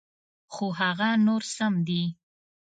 خو هغه نور سم دي.